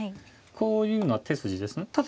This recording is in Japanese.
こういうのは手筋ですね。